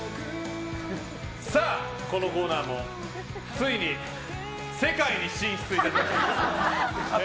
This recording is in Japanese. さあ、このコーナーもついに世界に進出いたしました。